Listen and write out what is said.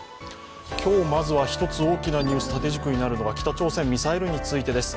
今日、まずは１つ大きなニュース縦軸になるのが北朝鮮、ミサイルについてです。